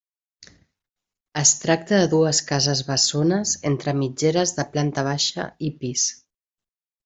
Es tracta de dues cases bessones entre mitgeres de planta baixa i pis.